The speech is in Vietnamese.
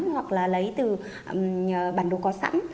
hoặc là lấy từ bản đồ có sẵn